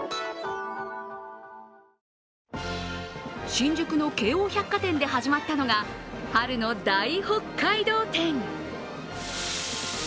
新宿の京王百貨店で始まったのが春の大北海道展。